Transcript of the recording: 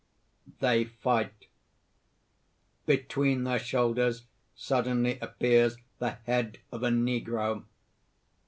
(_They fight. Between their shoulders suddenly appears the head of a negro.